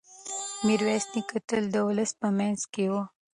میرویس نیکه تل د ولس په منځ کې و.